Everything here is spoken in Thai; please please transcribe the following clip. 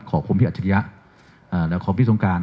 ขอบคุณพี่อัจฉริยะเอ่อและขอบพี่ทรงการ